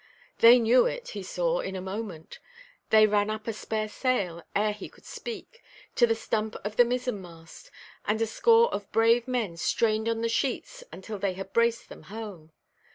They knew it, he saw, in a moment. They ran up a spare sail, ere he could speak, to the stump of the mizen–mast, and a score of brave men strained on the sheets until they had braced them home.